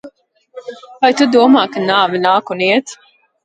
Vai tu domā, ka nāve nāk un iet?